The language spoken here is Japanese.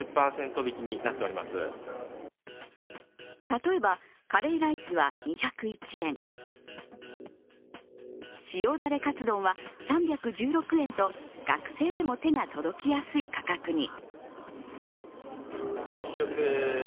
例えばカレーライスは２０１円、塩だれカツ丼は３１６円と学生でも手が届きやすい価格に。